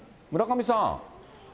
村上さん。